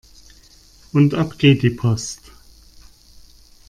Und ab geht die Post!